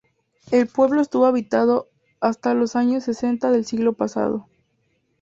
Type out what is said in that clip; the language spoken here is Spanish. El pueblo estuvo habitado hasta los años sesenta del siglo pasado.